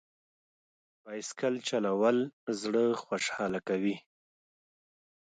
بایسکل چلول زړه خوشحاله کوي.